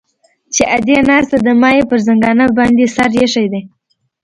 چې ادې ناسته ده ما يې پر زنګانه باندې سر ايښى دى.